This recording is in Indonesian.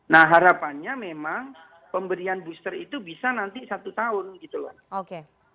nah harapannya memang pemberian booster itu bisa nanti satu tahun gitu loh